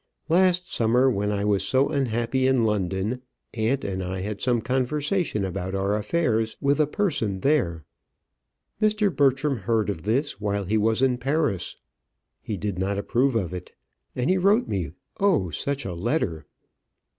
Last summer, when I was so unhappy in London, aunt and I had some conversation about our affairs with a person there. Mr. Bertram heard of this while he was in Paris. He did not approve of it; and he wrote me, oh! such a letter.